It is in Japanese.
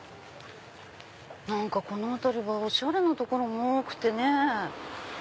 何かこの辺りはおしゃれな所も多くてね。